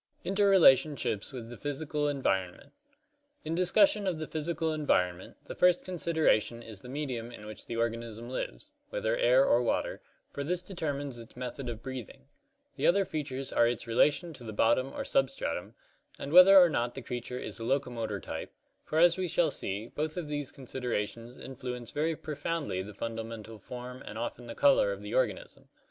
Interrelationships with the Physical Environment In discussion of the physical environment, the first consideration is the medium in which the organism lives, whether air or water, CLASSIFICATION OF ORGANISMS 43 for this determines its method of breathing. The other features are its relation to the bottom or substratum, and whether or not the creature is a locomotor type, for as we shall see, both of these considerations influence very profoundly the fundamental form and often the color of the organism.